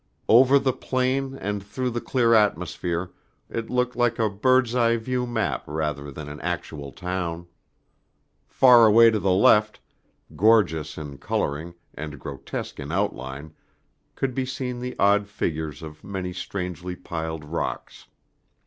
Over the plain and through the clear atmosphere it looked like a bird's eye view map rather than an actual town. Far away to the left, gorgeous in coloring and grotesque in outline, could be seen the odd figures of many strangely piled rocks.